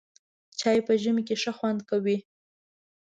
چای په ژمي کې ښه خوند کوي.